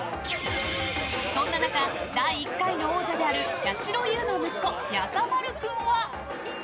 そんな中、第１回の王者であるやしろ優の息子、やさまる君は。